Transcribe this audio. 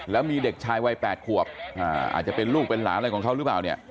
แล้วมีเด็กชายวัย๘ขวบอาจจะเป็นลูกเป็นหลานอะไรของเขาหรือเปล่าเนี่ย